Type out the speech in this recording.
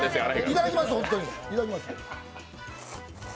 いただきます、ホントに。